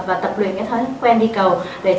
và tập luyện cái thói quen đi cầu